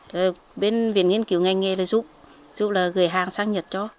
rồi bên viện nghiên cứu ngành nghe là giúp giúp là gửi hàng sang nhật cho